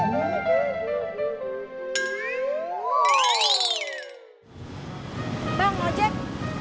bang mau jak